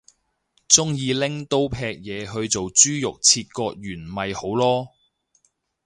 鍾意拎刀劈嘢去做豬肉切割員咪好囉